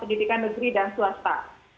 pendidikan negeri dan swasta